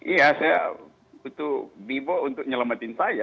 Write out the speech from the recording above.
iya saya butuh bimo untuk menyelamatin saya